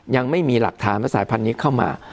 ยังไม่มีหลักฐานว่าสายพันธุ์นี้เข้ามา